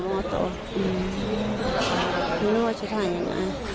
ไม่รู้ว่าจะถ่ายยังไง